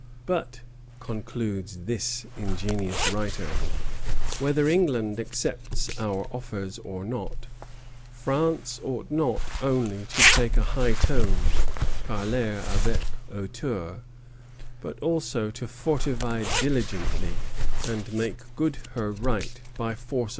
But, concludes this ingenious writer, whether England accepts our offers or not, France ought not only to take a high tone (parler avec hauteur), but also to fortify diligently, and make good her right by force of arms.